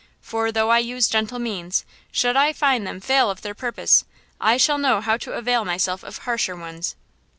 For, though I use gentle means, should I find them fail of their purpose, I shall know how to avail myself of harsher ones."